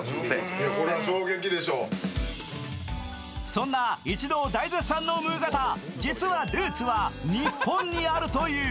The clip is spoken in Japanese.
そんな一同大絶賛のムーガタ、実はルーツは日本にあるという。